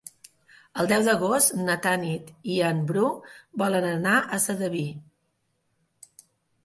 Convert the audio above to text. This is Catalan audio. El deu d'agost na Tanit i en Bru volen anar a Sedaví.